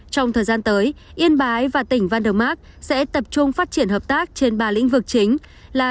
trong thời gian tới yên bái và tỉnh vandermac sẽ tập trung phát triển hợp tác trên ba lĩnh vực chính là